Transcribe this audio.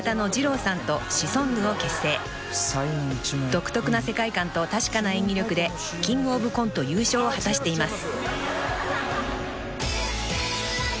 ［独特な世界観と確かな演技力でキングオブコント優勝を果たしています］